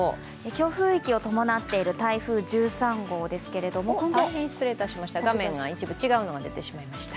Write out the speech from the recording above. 強風域を伴っている台風１３号ですが大変失礼いたしました、画面が一部、違うものが出てしまいました。